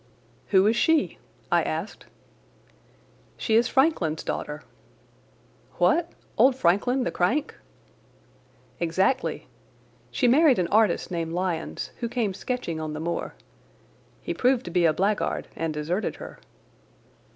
"Who is she?" I asked. "She is Frankland's daughter." "What! Old Frankland the crank?" "Exactly. She married an artist named Lyons, who came sketching on the moor. He proved to be a blackguard and deserted her.